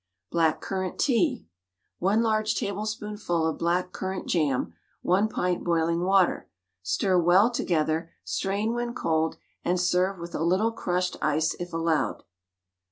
BLACK CURRANT TEA. 1 large tablespoonful of black currant jam, 1 pint boiling water. Stir well together, strain when cold, and serve with a little crushed ice if allowed.